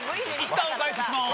いったんお返しします。